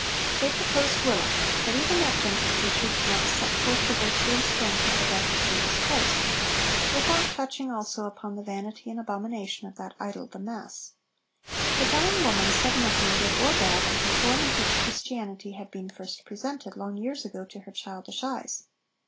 They proposed Willock; but even that gentle preacher did not set forth 'the virtue and strength of the death of Jesus Christ,' without touching also upon 'the vanity and abomination of that idol, the mass.' The dying woman said nothing, good or bad, of the form in which Christianity had been first presented, long years ago, to her childish eyes.